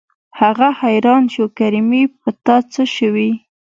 هغه حيران شو کریمې په تا څه شوي.